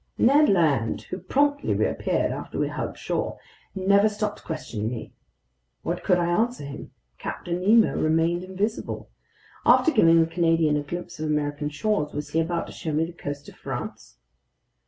Ned Land (who promptly reappeared after we hugged shore) never stopped questioning me. What could I answer him? Captain Nemo remained invisible. After giving the Canadian a glimpse of American shores, was he about to show me the coast of France?